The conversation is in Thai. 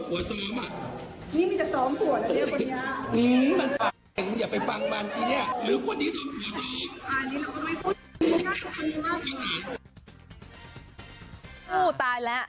อู้วตายแล้ว